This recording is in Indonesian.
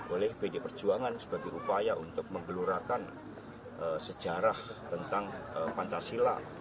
oleh pd perjuangan sebagai upaya untuk menggelurakan sejarah tentang pancasila